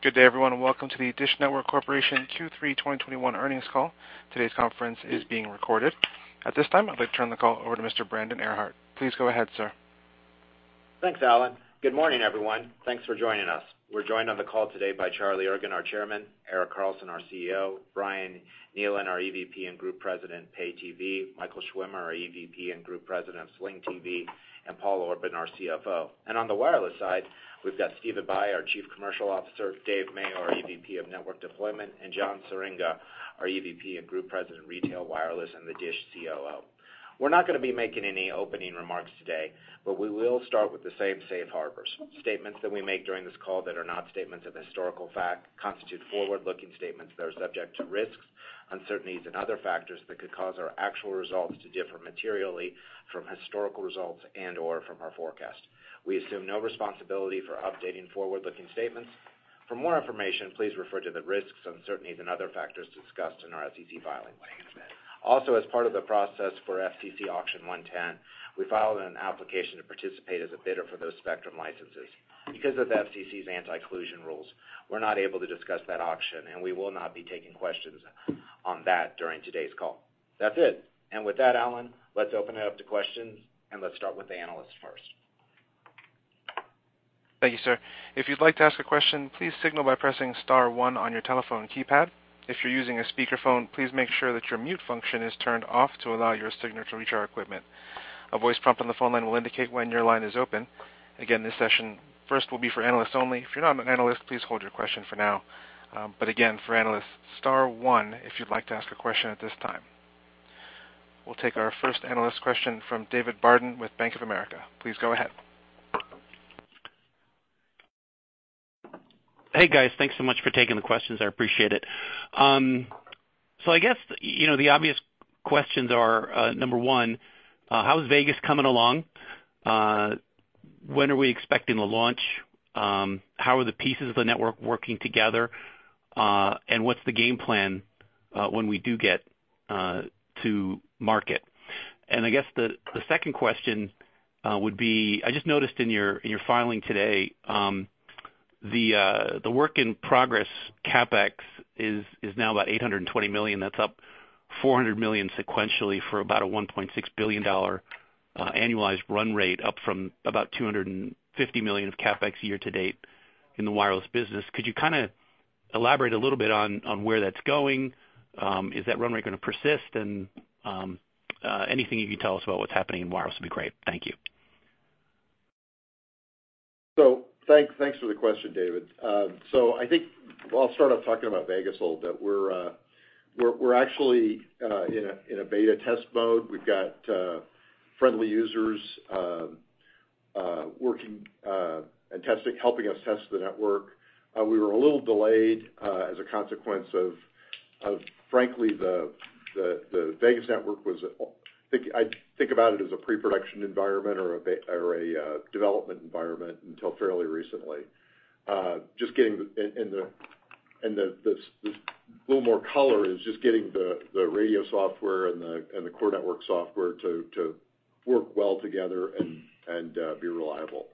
Good day, everyone, and welcome to the DISH Network Corporation Q3 2021 Earnings Call. Today's conference is being recorded. At this time, I'd like to turn the call over to Mr. Brandon Ehrhart. Please go ahead, sir. Thanks, Alan. Good morning, everyone. Thanks for joining us. We're joined on the call today by Charlie Ergen, our Chairman, Erik Carlson, our CEO, Brian Neylon, our EVP and Group President, Pay TV, Michael Schwimmer, our EVP and Group President of Sling TV, and Paul Orban, our CFO. On the Wireless side, we've got Stephen Bye, our Chief Commercial Officer, Dave Mayo, our EVP of Network Deployment, and John Swieringa, our EVP and Group President, Retail Wireless, and the DISH COO. We're not gonna be making any opening remarks today, but we will start with the same safe harbors. Statements that we make during this call that are not statements of historical fact constitute forward-looking statements that are subject to risks, uncertainties, and other factors that could cause our actual results to differ materially from historical results and/or from our forecast. We assume no responsibility for updating forward-looking statements. For more information, please refer to the risks, uncertainties, and other factors discussed in our SEC filings. Also, as part of the process for FCC Auction 110, we filed an application to participate as a bidder for those spectrum licenses. Because of the FCC's anti-collusion rules, we're not able to discuss that auction, and we will not be taking questions on that during today's call. That's it. With that, Alan, let's open it up to questions, and let's start with the analysts first. Thank you, sir. If you'd like to ask a question, please signal by pressing star one on your telephone keypad. If you're using a speakerphone, please make sure that your mute function is turned off to allow your signal to reach our equipment. A voice prompt on the phone line will indicate when your line is open. Again, this session first will be for analysts only. If you're not an analyst, please hold your question for now. Again, for analysts, star one if you'd like to ask a question at this time. We'll take our first analyst question from David Barden with Bank of America. Please go ahead. Hey, guys. Thanks so much for taking the questions. I appreciate it. So I guess, you know, the obvious questions are, number one, how is Vegas coming along? When are we expecting the launch? How are the pieces of the network working together? And what's the game plan, when we do get to market? I guess the second question would be, I just noticed in your filing today, the work in progress CapEx is now about $820 million. That's up $400 million sequentially for about a $1.6 billion annualized run rate, up from about $250 million of CapEx year to date in the Wireless business. Could you kinda elaborate a little bit on where that's going? Is that run rate gonna persist? Anything you can tell us about what's happening in Wireless would be great. Thank you. Thanks for the question, David. I think I'll start off talking about Vegas a little bit. We're actually in a beta test mode. We've got friendly users working and helping us test the network. We were a little delayed as a consequence of, frankly, the Vegas network. I think about it as a pre-production environment or a development environment until fairly recently. This little more color is just getting the radio software and the core network software to work well together and be reliable.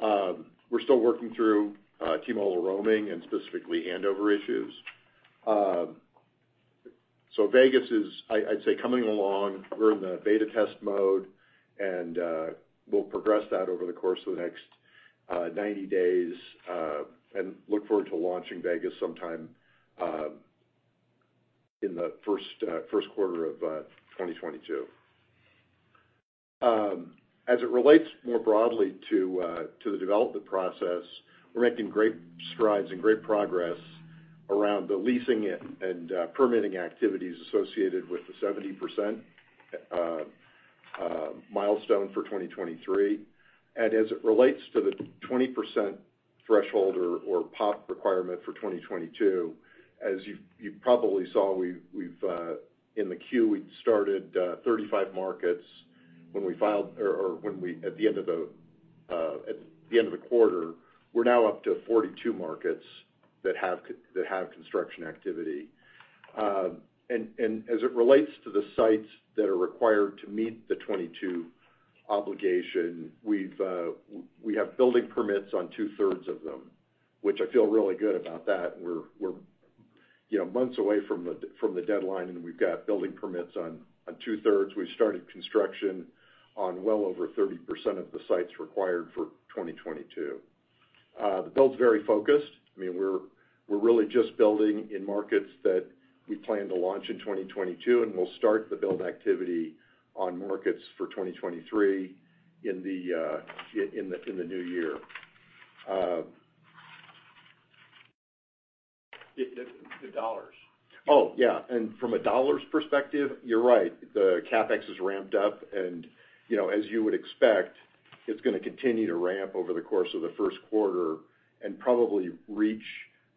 We're still working through T-Mobile roaming and specifically handover issues. Vegas is, I'd say, coming along. We're in the beta test mode and we'll progress that over the course of the next 90 days and look forward to launching Vegas sometime in the first quarter of 2022. As it relates more broadly to the development process, we're making great strides and great progress around the leasing and permitting activities associated with the 70% milestone for 2023. As it relates to the 20% threshold or POP requirement for 2022, as you probably saw, we've, in the queue, started 35 markets when we filed or at the end of the quarter. We're now up to 42 markets that have construction activity. As it relates to the sites that are required to meet the 2022 obligation, we have building permits on 2/3 of them, which I feel really good about that. We're you know months away from the deadline, and we've got building permits on 2/3. We've started construction on well over 30% of the sites required for 2022. The build's very focused. I mean, we're really just building in markets that we plan to launch in 2022, and we'll start the build activity on markets for 2023 in the new year. The dollars. Oh, yeah. From a dollars perspective, you're right. The CapEx is ramped up and, you know, as you would expect, it's gonna continue to ramp over the course of the first quarter and probably reach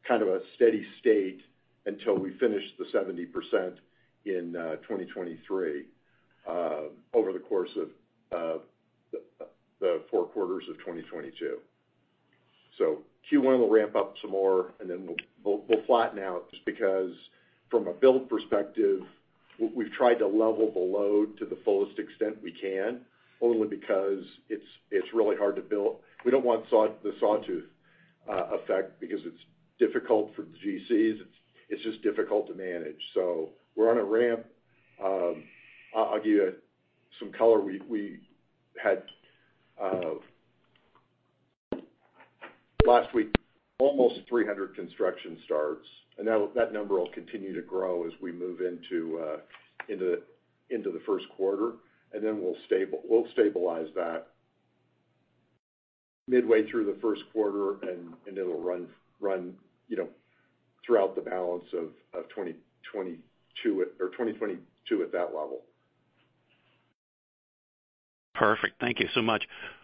kind of a steady state until we finish the 70% in 2023 over the course of the four quarters of 2022. So Q1 will ramp up some more, and then we'll flatten out just because from a build perspective We've tried to level the load to the fullest extent we can, only because it's really hard to build. We don't want the sawtooth effect because it's difficult for the GCs. It's just difficult to manage. We're on a ramp. I'll give you some color. We had last week almost 300 construction starts, and that number will continue to grow as we move into the first quarter, and then we'll stabilize that midway through the first quarter, and it'll run you know throughout the balance of 2022 at that level. Perfect. Thank you so much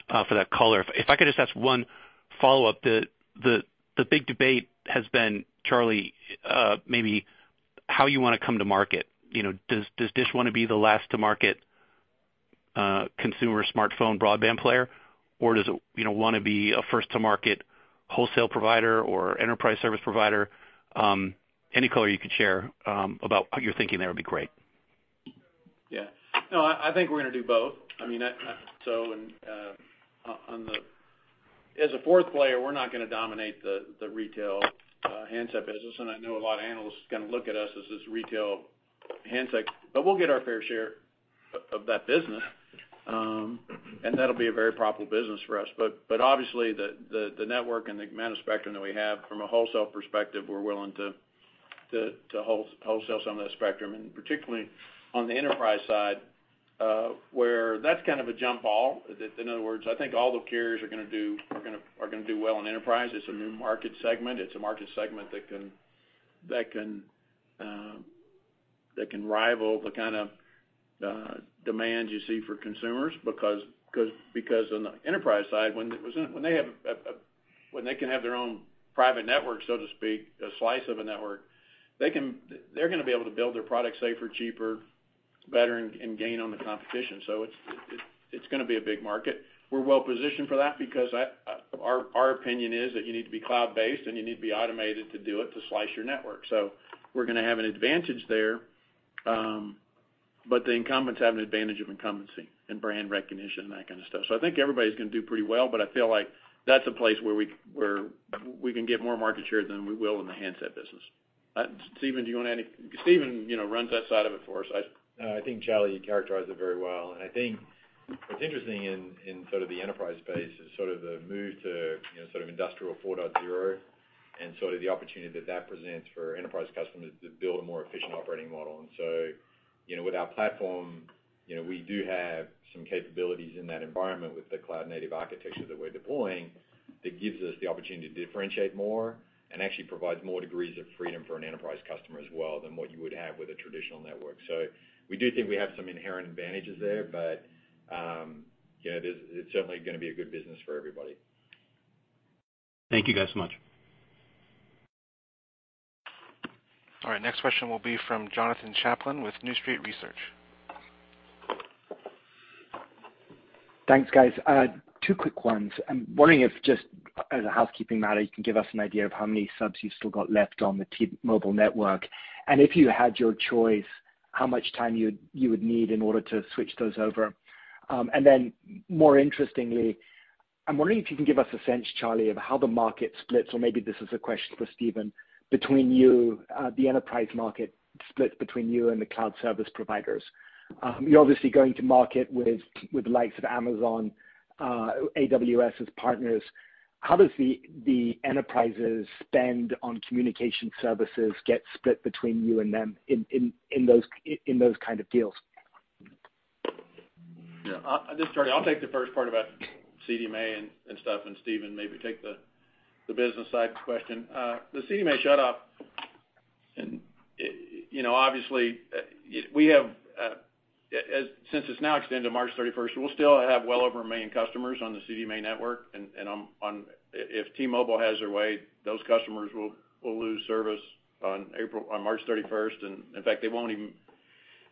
for that color. If I could just ask one follow-up. The big debate has been, Charlie, maybe how you wanna come to market. You know, does DISH wanna be the last to market consumer smartphone broadband player, or does it, you know, wanna be a first-to-market wholesale provider or enterprise service provider? Any color you could share about what you're thinking there would be great. Yeah. No, I think we're gonna do both. I mean, as a fourth player, we're not gonna dominate the retail handset business, and I know a lot of analysts are gonna look at us as this retail handset, but we'll get our fair share of that business. That'll be a very profitable business for us. Obviously, the network and the amount of spectrum that we have from a wholesale perspective, we're willing to wholesale some of that spectrum, and particularly on the enterprise side, where that's kind of a jump ball. In other words, I think all the carriers are gonna do well in enterprise. It's a new market segment. It's a market segment that can rival the kind of demand you see for consumers because on the enterprise side, when they can have their own private network, so to speak, a slice of a network, they're gonna be able to build their product safer, cheaper, better, and gain on the competition. It's gonna be a big market. We're well positioned for that because our opinion is that you need to be cloud-based and you need to be automated to do it, to slice your network. We're gonna have an advantage there, but the incumbents have an advantage of incumbency and brand recognition and that kind of stuff. I think everybody's gonna do pretty well, but I feel like that's a place where we can get more market share than we will in the handset business. Stephen, you know, runs that side of it for us. No, I think, Charlie, you characterized it very well. I think what's interesting in sort of the enterprise space is sort of the move to, you know, sort of Industry 4.0, and sort of the opportunity that that presents for enterprise customers to build a more efficient operating model. You know, with our platform, you know, we do have some capabilities in that environment with the cloud-native architecture that we're deploying that gives us the opportunity to differentiate more and actually provides more degrees of freedom for an enterprise customer as well than what you would have with a traditional network. We do think we have some inherent advantages there, but, yeah, it's certainly gonna be a good business for everybody. Thank you guys so much. All right, next question will be from Jonathan Chaplin with New Street Research. Thanks, guys. Two quick ones. I'm wondering if just as a housekeeping matter, you can give us an idea of how many subs you've still got left on the T-Mobile network. If you had your choice, how much time you would need in order to switch those over. More interestingly, I'm wondering if you can give us a sense, Charlie, of how the market splits, or maybe this is a question for Stephen, between you, the enterprise market split between you and the cloud service providers. You're obviously going to market with the likes of Amazon, AWS as partners. How does the enterprises spend on communication services get split between you and them in those kind of deals? This is Charlie. I'll take the first part about CDMA and stuff, and Stephen maybe take the business side of the question. The CDMA shutdown, you know, obviously, since it's now extended to March 31st, we'll still have well over 1 million customers on the CDMA network. If T-Mobile has their way, those customers will lose service on March 31st. In fact,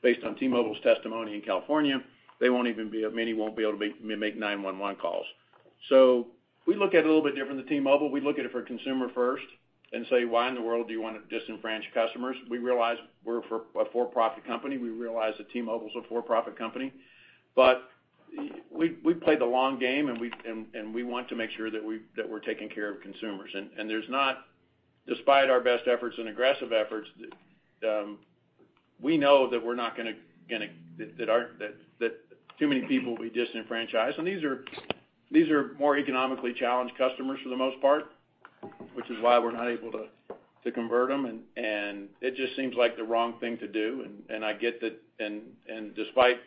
based on T-Mobile's testimony in California, many won't be able to make nine one one calls. We look at it a little bit different than T-Mobile. We look at it consumer first and say, "Why in the world do you want to disenfranchise customers?" We realize we're a for-profit company. We realize that T-Mobile is a for-profit company, but we play the long game and we want to make sure that we're taking care of consumers. Despite our best efforts and aggressive efforts, we know that too many people will be disenfranchised. These are more economically challenged customers for the most part, which is why we're not able to convert them. It just seems like the wrong thing to do. I get that, and despite,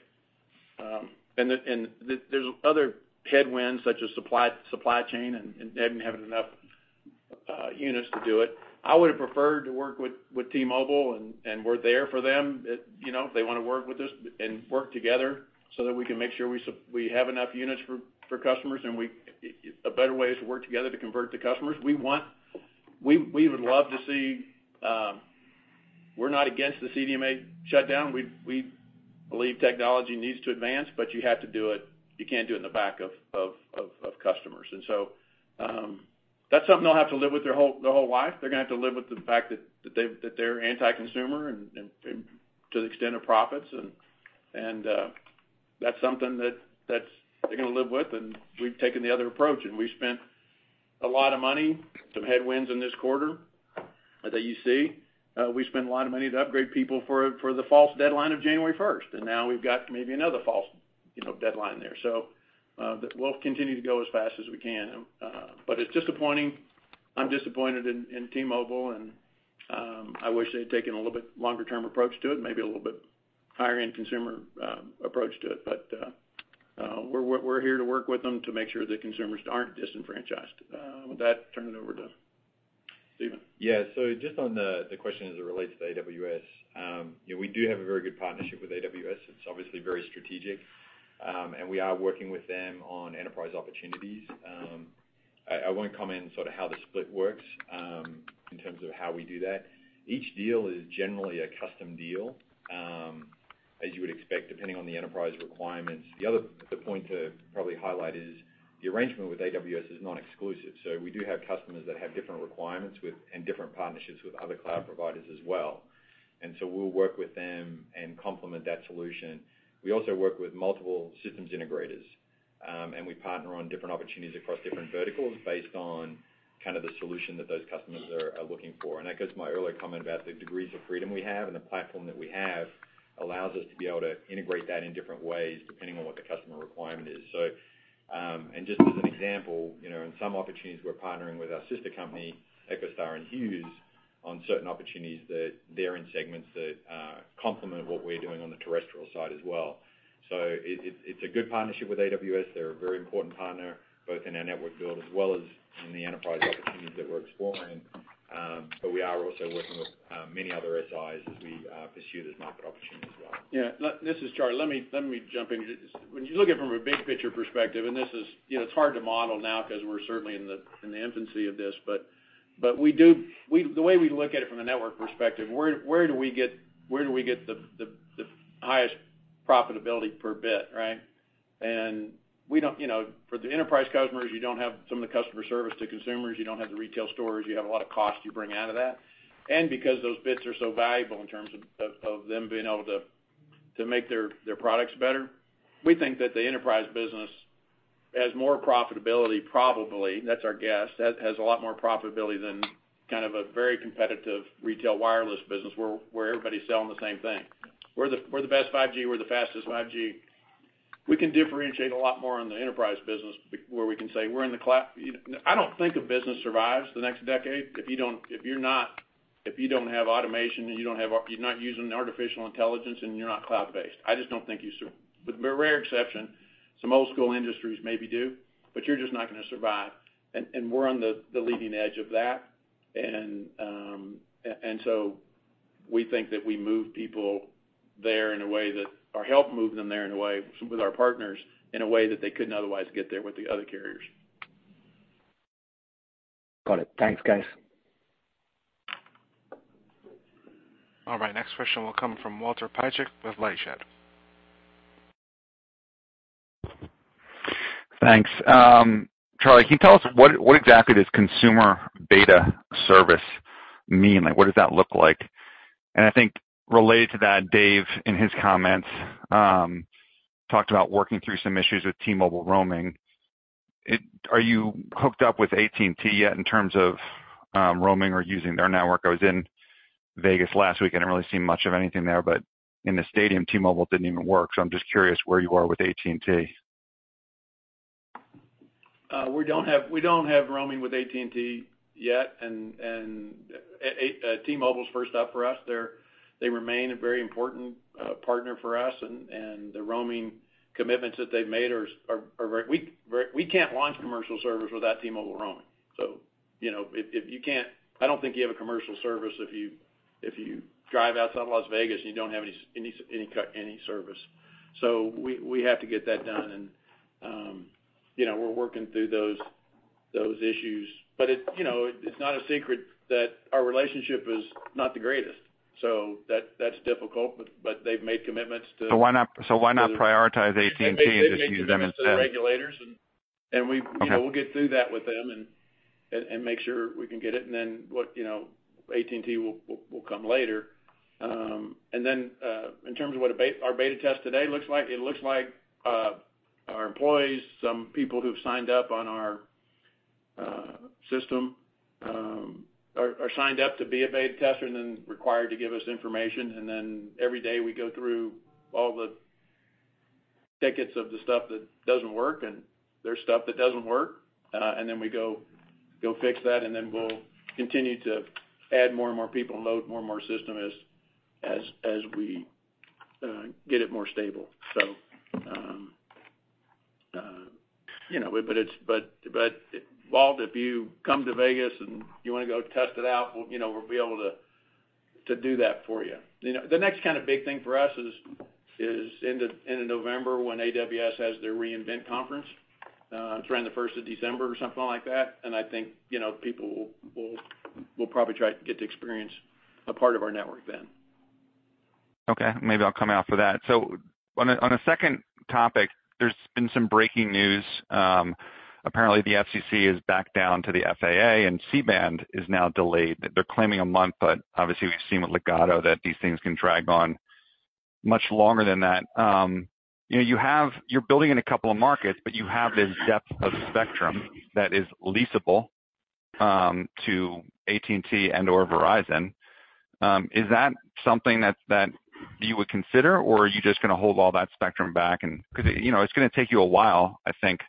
there's other headwinds such as supply chain, and they haven't had enough units to do it. I would have preferred to work with T-Mobile, and we're there for them. You know, if they wanna work with us and work together so that we can make sure we have enough units for customers and a better way is to work together to convert the customers. We would love to see. We're not against the CDMA shutdown. We believe technology needs to advance, but you have to do it. You can't do it behind the backs of customers. That's something they'll have to live with their whole life. They're gonna have to live with the fact that they're anti-consumer and at the expense of profits. That's something that they're gonna live with, and we've taken the other approach, and we spent a lot of money, some headwinds in this quarter that you see. We spent a lot of money to upgrade people for the false deadline of January 1st, and now we've got maybe another false, you know, deadline there. We'll continue to go as fast as we can. It's disappointing. I'm disappointed in T-Mobile, and I wish they'd taken a little bit longer-term approach to it, maybe a little bit higher-end consumer approach to it. We're here to work with them to make sure the consumers aren't disenfranchised. With that, turn it over to Stephen. Yeah. Just on the question as it relates to AWS. Yeah, we do have a very good partnership with AWS. It's obviously very strategic, and we are working with them on enterprise opportunities. I won't comment sort of how the split works, in terms of how we do that. Each deal is generally a custom deal, as you would expect, depending on the enterprise requirements. The other point to probably highlight is the arrangement with AWS is not exclusive, so we do have customers that have different requirements with and different partnerships with other cloud providers as well. We'll work with them and complement that solution. We also work with multiple systems integrators, and we partner on different opportunities across different verticals based on kind of the solution that those customers are looking for. That goes to my earlier comment about the degrees of freedom we have and the platform that we have allows us to be able to integrate that in different ways depending on what the customer requirement is. Just as an example, you know, in some opportunities, we're partnering with our sister company, EchoStar and Hughes, on certain opportunities that they're in segments that complement what we're doing on the terrestrial side as well. It's a good partnership with AWS. They're a very important partner, both in our network build as well as in the enterprise opportunities that we're exploring. But we are also working with many other SIs as we pursue this market opportunity as well. Yeah, this is Charlie. Let me jump in. When you look at it from a big picture perspective, this is, you know, it's hard to model now 'cause we're certainly in the infancy of this, but we the way we look at it from a network perspective, where do we get the highest profitability per bit, right? We don't, you know, for the enterprise customers, you don't have some of the customer service to consumers, you don't have the retail stores, you have a lot of cost you bring out of that. Because those bits are so valuable in terms of them being able to make their products better, we think that the enterprise business has more profitability probably, that's our guess. Has a lot more profitability than kind of a very competitive retail wireless business where everybody's selling the same thing. We're the best 5G, we're the fastest 5G. We can differentiate a lot more on the enterprise business where we can say we're in the cloud. I don't think a business survives the next decade if you don't have automation, and you're not using artificial intelligence and you're not cloud-based. I just don't think you survive, with a rare exception, some old school industries maybe do, but you're just not gonna survive. We're on the leading edge of that. We think that we move people there or help move them there in a way, with our partners, in a way that they couldn't otherwise get there with the other carriers. Got it. Thanks, guys. All right, next question will come from Walter Piecyk with LightShed. Thanks. Charlie, can you tell us what exactly does consumer beta service mean? Like, what does that look like? I think related to that, Dave, in his comments, talked about working through some issues with T-Mobile roaming. Are you hooked up with AT&T yet in terms of roaming or using their network? I was in Vegas last week. I didn't really see much of anything there, but in the stadium, T-Mobile didn't even work. I'm just curious where you are with AT&T. We don't have roaming with AT&T yet, and T-Mobile's first up for us. They remain a very important partner for us, and the roaming commitments that they've made are very. We can't launch commercial service without T-Mobile roaming. You know, if you can't, I don't think you have a commercial service if you drive outside Las Vegas, and you don't have any service. We have to get that done. We're working through those issues. You know, it's not a secret that our relationship is not the greatest. That's difficult, but they've made commitments to- Why not prioritize AT&T and just use them instead? They made commitments to the regulators and we've. Okay. You know, we'll get through that with them and make sure we can get it, and then, you know, AT&T will come later. In terms of what our beta test today looks like, it looks like our employees, some people who've signed up on our system, are signed up to be a beta tester and then required to give us information. Then every day we go through all the tickets of the stuff that doesn't work, and there's stuff that doesn't work, and then we go fix that, and then we'll continue to add more and more people and load more and more system as we get it more stable. You know, but Walt, if you come to Vegas and you wanna go test it out, we'll, you know, we'll be able to do that for you. You know, the next kind of big thing for us is end of November when AWS has their re:Invent conference. It's around the 1st of December or something like that, and I think, you know, people will probably try to get to experience a part of our network then. Okay. Maybe I'll come out for that. On a second topic, there's been some breaking news. Apparently, the FCC is backing down to the FAA, and C-band is now delayed. They're claiming a month, but obviously, we've seen with Ligado that these things can drag on much longer than that. You know, you're building in a couple of markets, but you have this depth of spectrum that is leasable to AT&T and/or Verizon. Is that something that you would consider, or are you just gonna hold all that spectrum back? Because, you know, it's gonna take you a while, I think,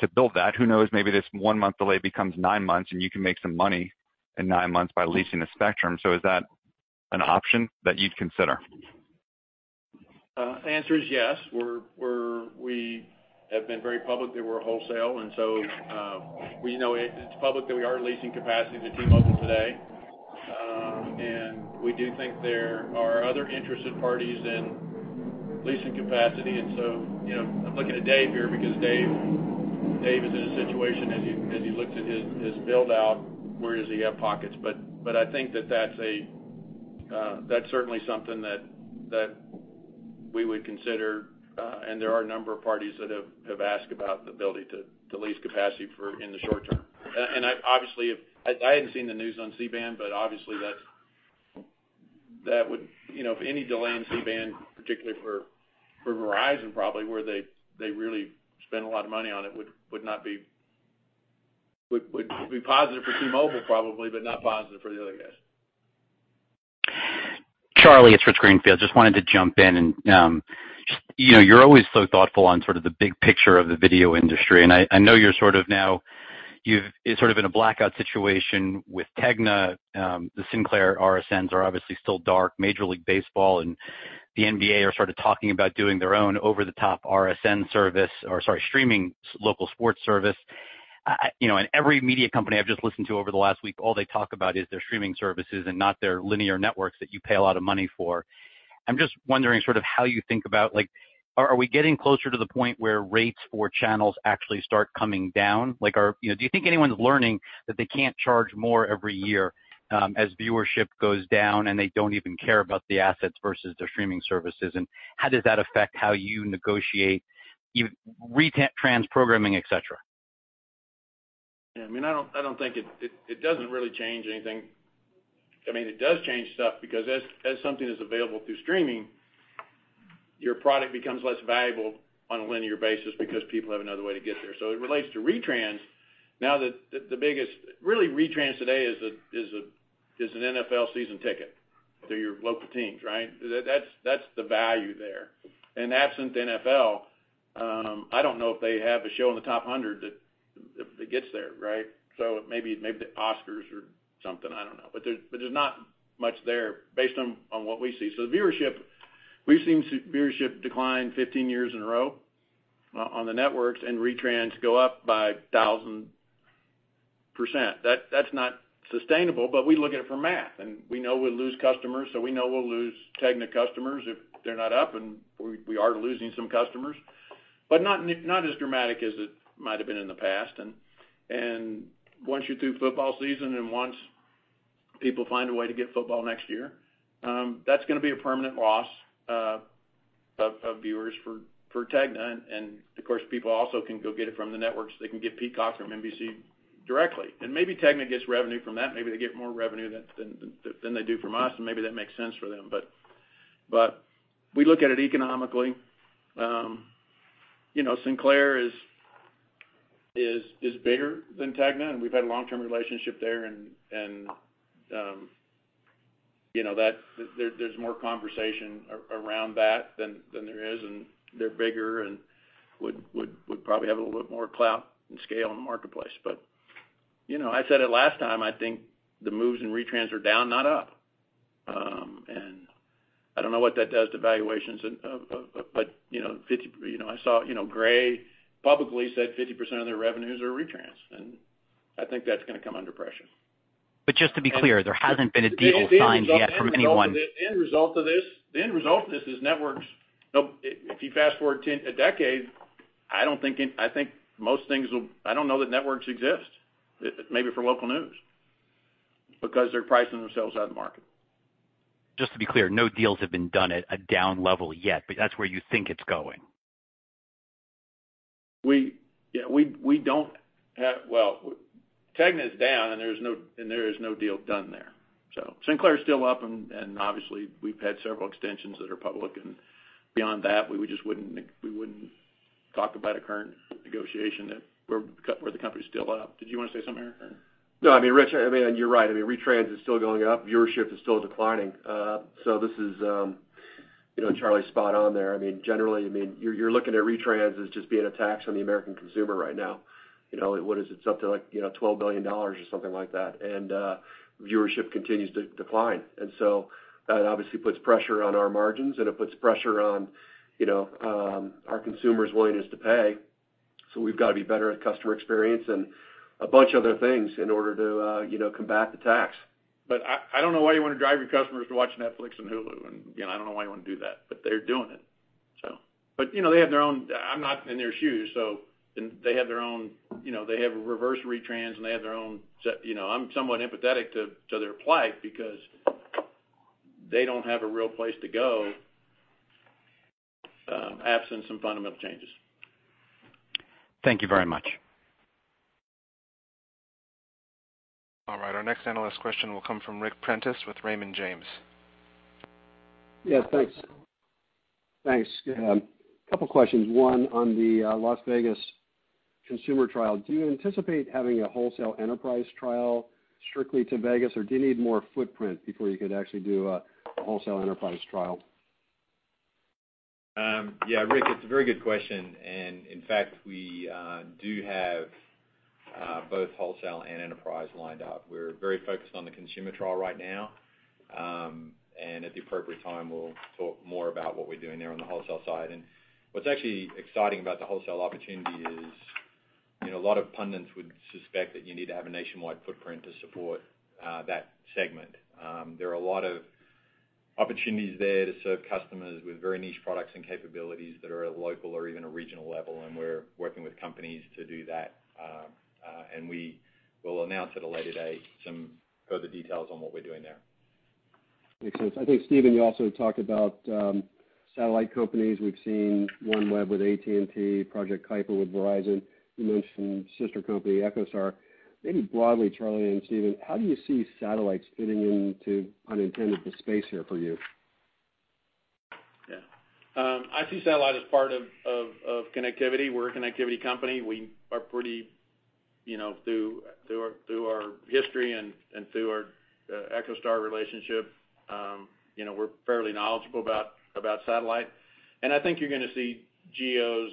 to build that. Who knows, maybe this one-month delay becomes nine months, and you can make some money in nine months by leasing the spectrum. Is that an option that you'd consider? Answer is yes. We're a wholesale, and so we know it's public that we are leasing capacity to T-Mobile today. We do think there are other interested parties in leasing capacity. You know, I'm looking at Dave here because Dave is in a situation as he looks at his build-out, where does he have pockets? I think that's certainly something that we would consider, and there are a number of parties that have asked about the ability to lease capacity in the short term. Obviously, if I hadn't seen the news on C-band, but obviously that would. You know, if any delay in C-band, particularly for Verizon probably, where they really spend a lot of money on it, would be positive for T-Mobile probably, but not positive for the other guys. Charlie, it's Rich Greenfield. Just wanted to jump in and, just, you know, you're always so thoughtful on sort of the big picture of the video industry. I know you're sort of now in a blackout situation with TEGNA. The Sinclair RSNs are obviously still dark. Major League Baseball and the NBA are sort of talking about doing their own over-the-top RSN service or, sorry, streaming local sports service. You know, every media company I've just listened to over the last week, all they talk about is their streaming services and not their linear networks that you pay a lot of money for. I'm just wondering sort of how you think about, like, are we getting closer to the point where rates for channels actually start coming down? Like, are... You know, do you think anyone's learning that they can't charge more every year, as viewership goes down, and they don't even care about the assets versus their streaming services? How does that affect how you negotiate retrans programming, et cetera? Yeah, I mean, I don't think it. It doesn't really change anything. I mean, it does change stuff because as something is available through streaming, your product becomes less valuable on a linear basis because people have another way to get there. So it relates to retrans. Now the biggest. Really, retrans today is an NFL season ticket to your local teams, right? That's the value there. And absent NFL, I don't know if they have a show in the top 100 that gets there, right? So maybe the Oscars or something, I don't know. But there's not much there based on what we see. So the viewership, we've seen viewership decline 15 years in a row on the networks and retrans go up by 1,000%. That's not sustainable, but we look at it for math, and we know we'll lose customers, so we know we'll lose TEGNA customers if they're not up, and we are losing some customers, but not as dramatic as it might have been in the past. Once you're through football season and once people find a way to get football next year, that's gonna be a permanent loss of viewers for TEGNA. Of course, people also can go get it from the networks. They can get Peacock from NBC directly. Maybe TEGNA gets revenue from that. Maybe they get more revenue than they do from us, and maybe that makes sense for them. We look at it economically. You know, Sinclair is bigger than TEGNA, and we've had a long-term relationship there, and you know, there's more conversation around that than there is, and they're bigger and would probably have a little bit more clout and scale in the marketplace. You know, I said it last time, I think the moves in retrans are down, not up. I don't know what that does to valuations of. You know, you know, I saw, you know, Gray publicly said 50% of their revenues are retrans, and I think that's gonna come under pressure. Just to be clear, there hasn't been a deal signed yet from anyone. The end result of this is networks. You know, if you fast-forward a decade, I don't know that networks exist maybe for local news because they're pricing themselves out of the market. Just to be clear, no deals have been done at a down level yet, but that's where you think it's going. Well, TEGNA is down, and there is no deal done there. Sinclair is still up and obviously, we've had several extensions that are public. Beyond that, we just wouldn't talk about a current negotiation that we're where the company's still up. Did you wanna say something, Erik? No, I mean, Rich, I mean, you're right. I mean, retrans is still going up. Viewership is still declining. This is, you know, Charlie's spot on there. I mean, generally, I mean, you're looking at retrans as just being a tax on the American consumer right now. You know, what is it? Something like, you know, $12 billion or something like that. Viewership continues to decline. That obviously puts pressure on our margins, and it puts pressure on, you know, our consumers' willingness to pay. We've got to be better at customer experience and a bunch of other things in order to, you know, combat the tax. I don't know why you wanna drive your customers to watch Netflix and Hulu, and you know, I don't know why you wanna do that, but they're doing it. You know, they have their own. I'm not in their shoes, and they have their own, you know, they have reverse retrans and they have their own. You know, I'm somewhat empathetic to their plight because they don't have a real place to go, absent some fundamental changes. Thank you very much. All right, our next analyst question will come from Ric Prentiss with Raymond James. Yes, thanks. Thanks. Couple questions. One on the Las Vegas consumer trial. Do you anticipate having a wholesale enterprise trial strictly to Vegas, or do you need more footprint before you could actually do a wholesale enterprise trial? Yeah, Ric, it's a very good question. In fact, we do have both wholesale and enterprise lined up. We're very focused on the consumer trial right now. At the appropriate time, we'll talk more about what we're doing there on the wholesale side. What's actually exciting about the wholesale opportunity is, you know, a lot of pundits would suspect that you need to have a nationwide footprint to support that segment. There are a lot of opportunities there to serve customers with very niche products and capabilities that are at a local or even a regional level, and we're working with companies to do that. We will announce at a later date some further details on what we're doing there. Makes sense. I think, Stephen, you also talked about satellite companies. We've seen OneWeb with AT&T, Project Kuiper with Verizon. You mentioned sister company, EchoStar. Maybe broadly, Charlie and Stephen, how do you see satellites fitting into the intended space here for you? Yeah. I see satellite as part of connectivity. We're a connectivity company. We are pretty, you know, through our history and through our EchoStar relationship, you know, we're fairly knowledgeable about satellite. I think you're gonna see GEOs,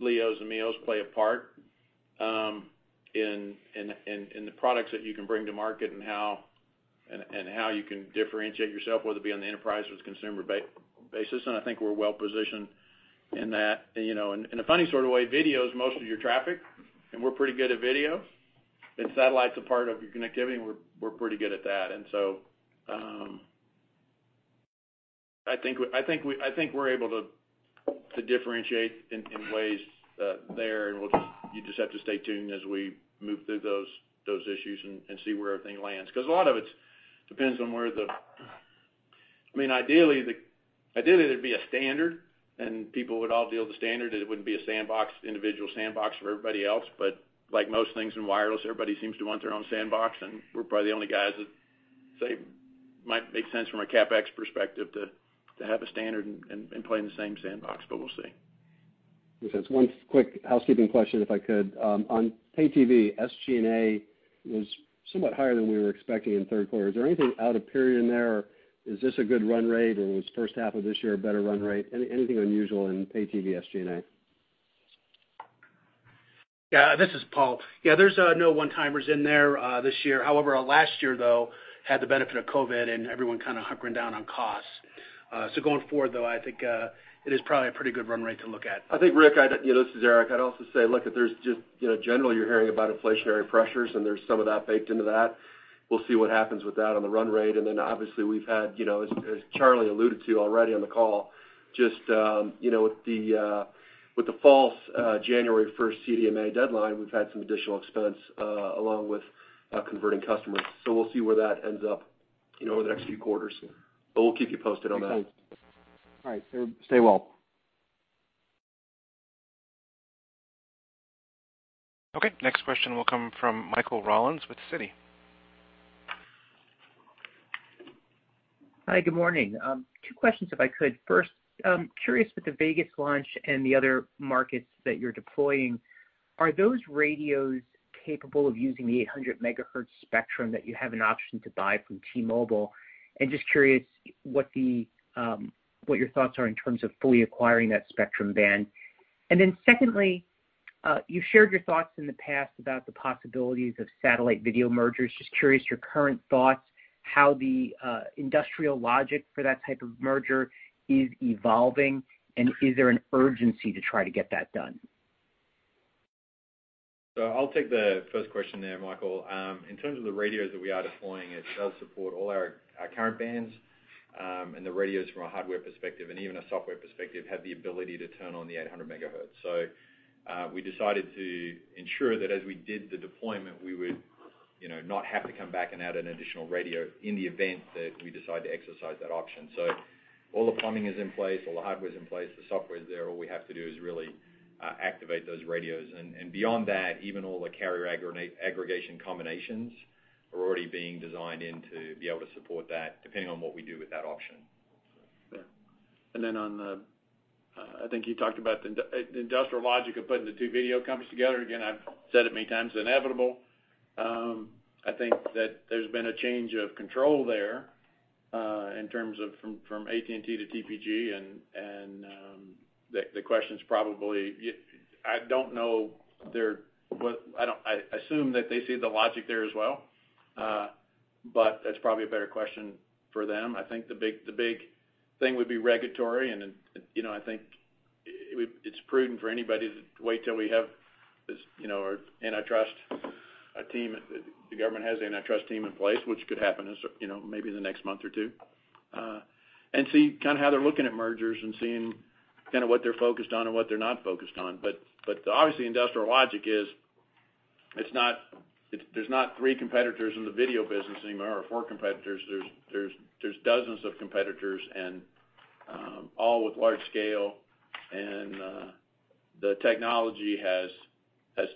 LEOs, and MEOs play a part in the products that you can bring to market and how you can differentiate yourself, whether it be on the enterprise or consumer basis. I think we're well positioned in that. You know, in a funny sort of way, video is most of your traffic, and we're pretty good at video. Satellite's a part of your connectivity, and we're pretty good at that. I think we're able to differentiate in ways there, and you just have to stay tuned as we move through those issues and see where everything lands. 'Cause a lot of it depends on where the I mean, ideally, there'd be a standard and people would all deal with the standard, and it wouldn't be a sandbox, individual sandbox for everybody else. Like most things in wireless, everybody seems to want their own sandbox, and we're probably the only guys that say it might make sense from a CapEx perspective to have a standard and play in the same sandbox, but we'll see. Makes sense. One quick housekeeping question, if I could. On Pay TV, SG&A was somewhat higher than we were expecting in third quarter. Is there anything out of period in there, or is this a good run rate, or was first half of this year a better run rate? Anything unusual in Pay TV SG&A? Yeah. This is Paul. Yeah, there's no one-timers in there this year. However, last year, though, had the benefit of COVID and everyone kind of hunkering down on costs. Going forward, though, I think it is probably a pretty good run rate to look at. I think, Rick, I'd. You know, this is Erik. I'd also say, look, if there's just, you know, generally you're hearing about inflationary pressures, and there's some of that baked into that. We'll see what happens with that on the run rate. Obviously we've had, you know, as Charlie alluded to already on the call, just, you know, with the false January 1st CDMA deadline, we've had some additional expense along with converting customers. We'll see where that ends up, you know, over the next few quarters. We'll keep you posted on that. Okay. All right. Stay well. Okay. Next question will come from Michael Rollins with Citi. Hi, good morning. Two questions if I could. First, I'm curious with the Vegas launch and the other markets that you're deploying, are those radios capable of using the 800 MHz spectrum that you have an option to buy from T-Mobile? Just curious what your thoughts are in terms of fully acquiring that spectrum band? Secondly, you've shared your thoughts in the past about the possibilities of satellite video mergers. Just curious your current thoughts, how the industry logic for that type of merger is evolving, and is there an urgency to try to get that done? I'll take the first question there, Michael. In terms of the radios that we are deploying, it does support all our current bands, and the radios from a hardware perspective and even a software perspective have the ability to turn on the 800 MHz. We decided to ensure that as we did the deployment, we would, you know, not have to come back and add an additional radio in the event that we decide to exercise that option. All the plumbing is in place, all the hardware is in place, the software is there. All we have to do is really activate those radios. And beyond that, even all the carrier aggregation combinations are already being designed in to be able to support that, depending on what we do with that option. Yeah. I think you talked about the industrial logic of putting the two video companies together. Again, I've said it many times, inevitable. I think that there's been a change of control there, in terms of from AT&T to TPG and the question's probably I assume that they see the logic there as well, but that's probably a better question for them. I think the big thing would be regulatory and then, you know, I think it's prudent for anybody to wait till we have this, you know, our antitrust team. The government has the antitrust team in place, which could happen as, you know, maybe in the next month or two. See kind of how they're looking at mergers and seeing kinda what they're focused on and what they're not focused on. Obviously industrial logic is it's not there's not three competitors in the video business anymore, or four competitors. There's dozens of competitors and all with large scale. The technology has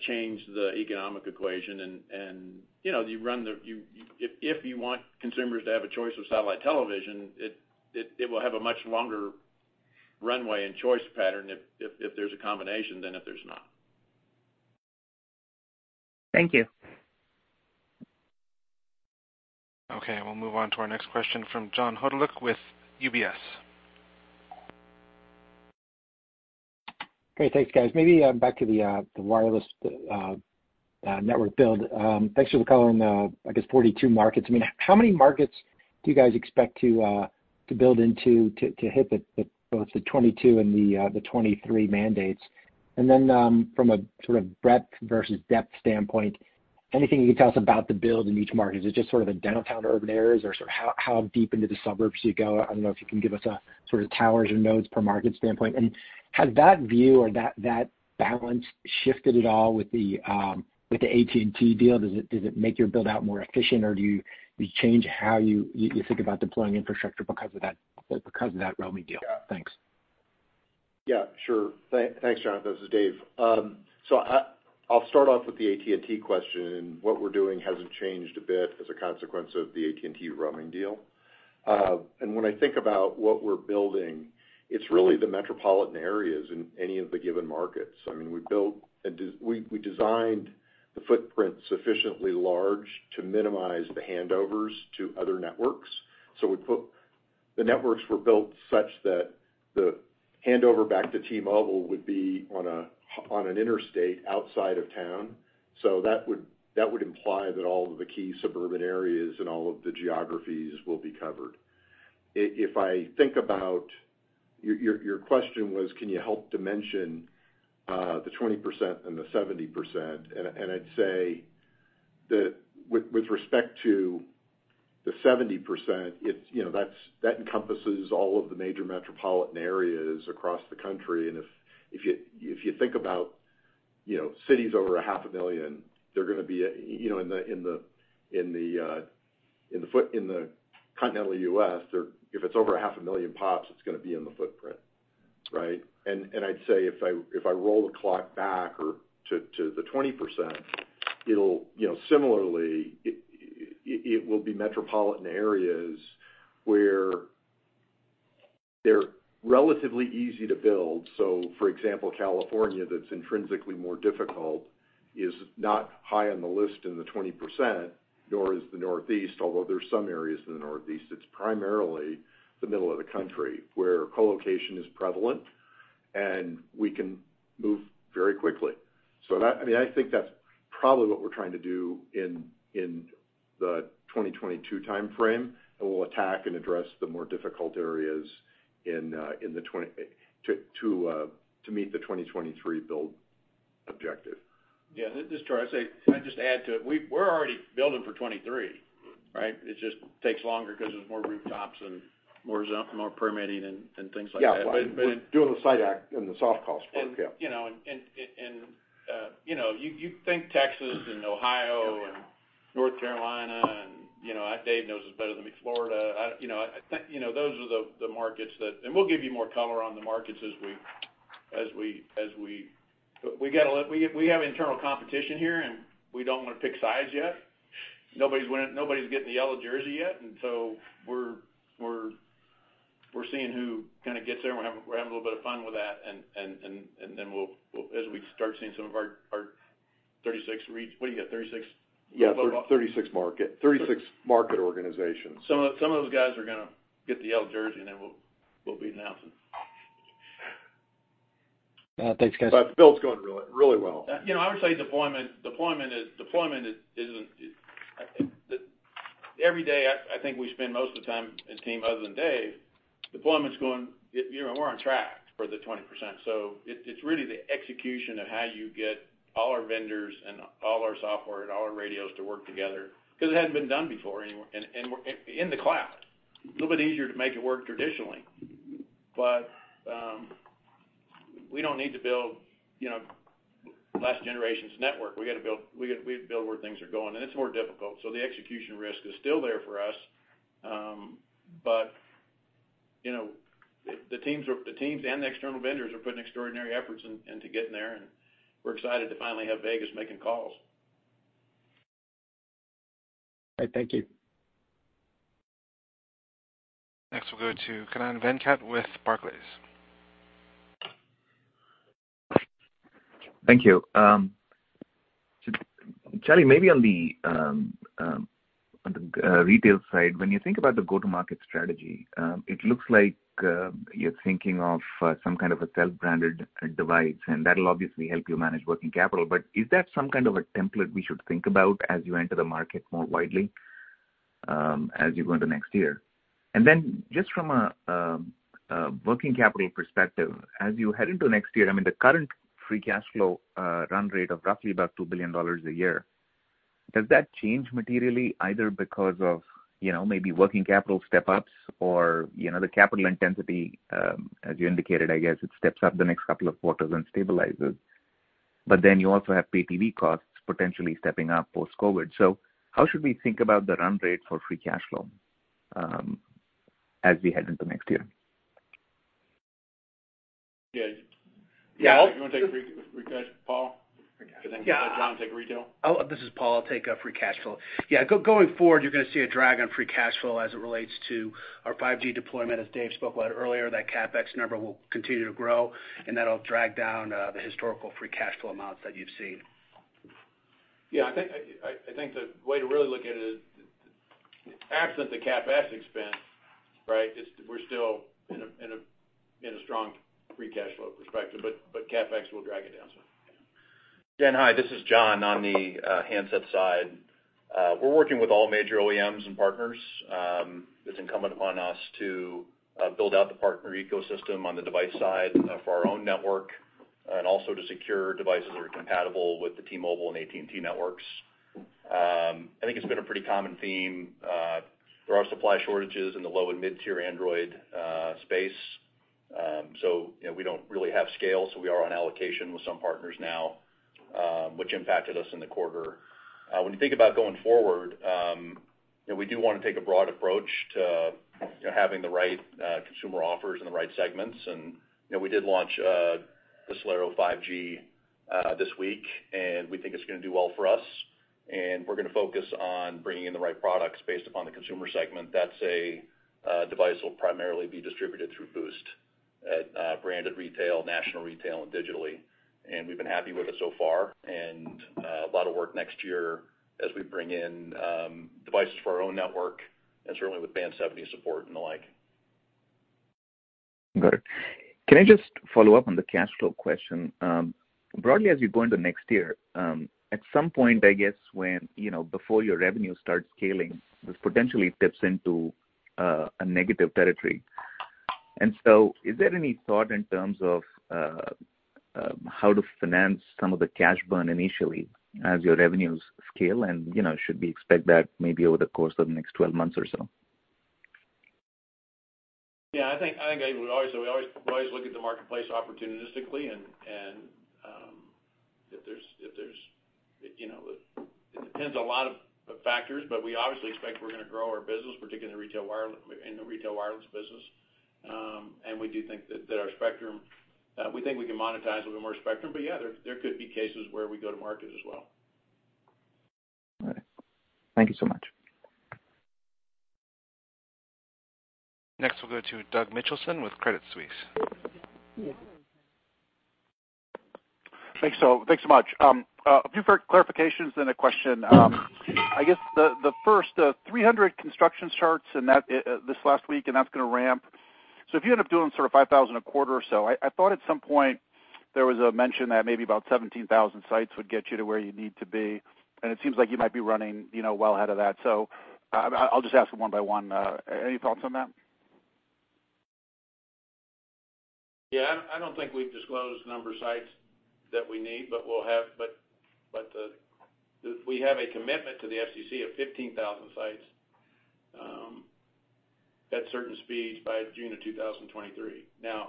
changed the economic equation and, you know, if there's a combination than if there's not. Thank you. Okay, we'll move on to our next question from John Hodulik with UBS. Great. Thanks, guys. Maybe back to the wireless network build. Thanks for the color on the, I guess, 42 markets. I mean, how many markets do you guys expect to build into to hit both the 2022 and the 2023 mandates? And then, from a sort of breadth versus depth standpoint, anything you can tell us about the build in each market? Is it just sort of the downtown urban areas? Or sort of how deep into the suburbs do you go? I don't know if you can give us a sort of towers or nodes per market standpoint. And has that view or that balance shifted at all with the AT&T deal? Does it make your build out more efficient? Do you change how you think about deploying infrastructure because of that roaming deal? Yeah. Thanks. Yeah, sure. Thanks, John. This is Dave. I'll start off with the AT&T question. What we're doing hasn't changed a bit as a consequence of the AT&T roaming deal. When I think about what we're building, it's really the metropolitan areas in any of the given markets. I mean, we designed the footprint sufficiently large to minimize the handovers to other networks. The networks were built such that the handover back to T-Mobile would be on an interstate outside of town. That would imply that all of the key suburban areas and all of the geographies will be covered. Your question was, can you help dimension the 20% and the 70%? I'd say that with respect to the 70%, that encompasses all of the major metropolitan areas across the country. If you think about, you know, cities over 500,000, they're gonna be, you know, in the continental U.S., if it's over 500,000 POPs, it's gonna be in the footprint, right? I'd say if I roll the clock back to the 20%, it'll, you know, similarly it will be metropolitan areas where they're relatively easy to build. For example, California, that's intrinsically more difficult, is not high on the list in the 20%, nor is the Northeast, although there's some areas in the Northeast. It's primarily the middle of the country, where co-location is prevalent, and we can move very quickly. I mean, I think that's probably what we're trying to do in the 2022 timeframe, and we'll attack and address the more difficult areas to meet the 2023 build objective. Yeah. This is Charlie Ergen. I'd say, can I just add to it? We're already building for 2023, right? It just takes longer 'cause there's more rooftops and more permitting and things like that. Yeah. Doing the site and the soft cost work, yeah. You know, you think Texas and Ohio and North Carolina and, you know, Dave knows this better than me, Florida. I think, you know, those are the markets that we'll give you more color on as we have internal competition here, and we don't wanna pick sides yet. Nobody's winning, nobody's getting the yellow jersey yet, and so we're seeing who kinda gets there, and we're having a little bit of fun with that and then we'll as we start seeing some of our 36 re-- what do you got, 36? Yeah. 36 market organizations. Some of those guys are gonna get the yellow jersey, and then we'll be announcing. Thanks, guys. The build's going really, really well. You know, I would say deployment isn't. I think every day we spend most of the time as a team, other than Dave, deployment's going, you know, we're on track for the 20%. It's really the execution of how you get all our vendors and all our software and all our radios to work together, 'cause it hasn't been done before anywhere and we're in the cloud. It's a little bit easier to make it work than traditionally. We don't need to build, you know, last generation's network. We gotta build where things are going, and it's more difficult, so the execution risk is still there for us. You know, the teams and the external vendors are putting extraordinary efforts into getting there, and we're excited to finally have Vegas making calls. All right, thank you. Next, we'll go to Kannan Venkat with Barclays. Thank you. Charlie, maybe on the retail side, when you think about the go-to-market strategy, it looks like you're thinking of some kind of a self-branded device, and that'll obviously help you manage working capital. But is that some kind of a template we should think about as you enter the market more widely? As you go into next year. Then just from a working capital perspective, as you head into next year, I mean, the current free cash flow run rate of roughly $2 billion a year, does that change materially either because of, you know, maybe working capital step-ups or, you know, the capital intensity, as you indicated, I guess it steps up the next couple of quarters and stabilizes. But then you also have PPV costs potentially stepping up post-COVID. How should we think about the run rate for free cash flow, as we head into next year? Yeah. You want to take free cash, Paul? Because then John will take retail. This is Paul. I'll take free cash flow. Yeah, going forward, you're going to see a drag on free cash flow as it relates to our 5G deployment. As Dave spoke about earlier, that CapEx number will continue to grow, and that'll drag down the historical free cash flow amounts that you've seen. Yeah, I think the way to really look at it is absent the CapEx expense, right, is we're still in a strong free cash flow perspective, but CapEx will drag it down some. Kannan, hi, this is John. On the handset side, we're working with all major OEMs and partners. It's incumbent upon us to build out the partner ecosystem on the device side for our own network and also to secure devices that are compatible with the T-Mobile and AT&T networks. I think it's been a pretty common theme. There are supply shortages in the low- and mid-tier Android space. So we don't really have scale, so we are on allocation with some partners now, which impacted us in the quarter. When you think about going forward, you know, we do want to take a broad approach to, you know, having the right consumer offers in the right segments. You know, we did launch the Celero 5G this week, and we think it's going to do well for us. We're going to focus on bringing in the right products based upon the consumer segment. That's a device that will primarily be distributed through Boost at branded retail, national retail and digitally. We've been happy with it so far. A lot of work next year as we bring in devices for our own network, and certainly with Band 70 support and the like. Got it. Can I just follow up on the cash flow question? Broadly, as you go into next year, at some point, I guess, when, you know, before your revenue starts scaling, this potentially dips into a negative territory. Is there any thought in terms of how to finance some of the cash burn initially as your revenues scale? You know, should we expect that maybe over the course of the next 12 months or so? Yeah, I think we always look at the marketplace opportunistically, and if there's, you know, it depends on a lot of factors, but we obviously expect we're going to grow our business, particularly in the retail wireless business. And we do think that our spectrum, we think we can monetize a little more spectrum. Yeah, there could be cases where we go to market as well. All right. Thank you so much. Next, we'll go to Doug Mitchelson with Credit Suisse. Thanks so much. A few clarifications, then a question. I guess the first 300 construction starts and that this last week, and that's going to ramp. If you end up doing sort of 5,000 a quarter or so, I thought at some point there was a mention that maybe about 17,000 sites would get you to where you need to be, and it seems like you might be running, you know, well ahead of that. I'll just ask them one by one. Any thoughts on that? Yeah. I don't think we've disclosed the number of sites that we need, but we have a commitment to the FCC of 15,000 sites at certain speeds by June of 2023. Now,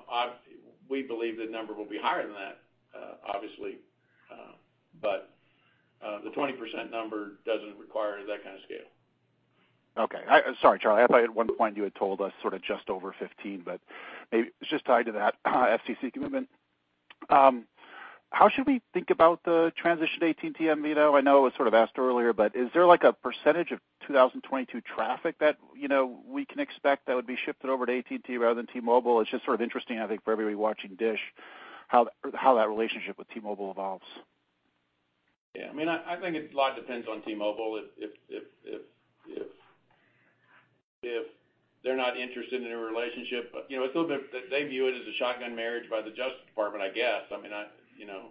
we believe the number will be higher than that, obviously, but the 20% number doesn't require that kind of scale. Okay. Sorry, Charlie, I thought at one point you had told us sort of just over 15,000, but maybe it's just tied to that FCC commitment. How should we think about the transition to AT&T on MVNO? I know it was sort of asked earlier, but is there like a percentage of 2022 traffic that, you know, we can expect that would be shifted over to AT&T rather than T-Mobile? It's just sort of interesting, I think, for everybody watching DISH, how that relationship with T-Mobile evolves. Yeah, I mean, I think a lot depends on T-Mobile. If they're not interested in a relationship, you know, they view it as a shotgun marriage by the Justice Department, I guess. I mean, you know,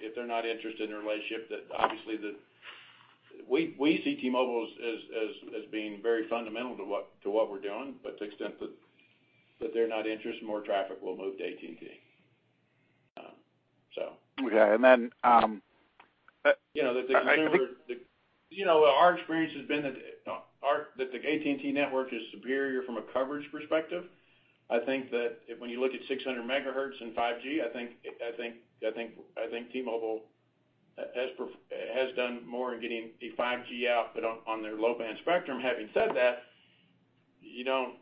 if they're not interested in a relationship, that obviously we see T-Mobile as being very fundamental to what we're doing. But to the extent that they're not interested, more traffic will move to AT&T. So. Okay. I think. You know, our experience has been that the AT&T network is superior from a coverage perspective. I think that when you look at 600 MHz and 5G, T-Mobile has done more in getting the 5G out, but on their low-band spectrum. Having said that, you don't,